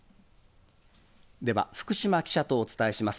では、福島記者とお伝えします。